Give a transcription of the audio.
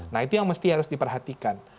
nah itu yang mesti harus diperhatikan